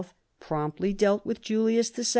promptly dealt with Julius n.